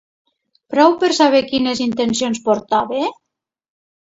Prou per saber quines intencions portava?